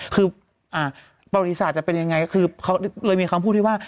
คือประวัติศาสตร์จะเป็นยังไงก็คือเขาเลยมีคำพูดที่ว่า